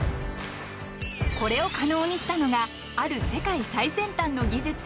［これを可能にしたのがある世界最先端の技術］